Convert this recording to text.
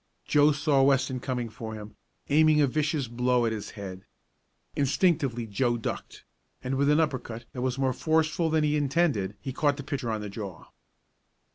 Joe saw Weston coming for him, aiming a vicious blow at his head. Instinctively Joe ducked, and with an uppercut that was more forceful than he intended he caught the pitcher on the jaw.